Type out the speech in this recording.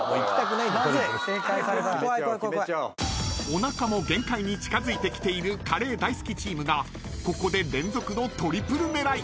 ［おなかも限界に近づいてきているカレー大好きチームがここで連続のトリプル狙い］